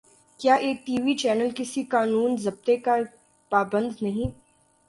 کیا ایک T V channel کسی قانون ضابطے کا پابند نہیں؟